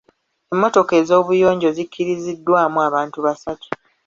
Emmotoka ez’obuyonjo zikkiriziddwamu abantu basatu.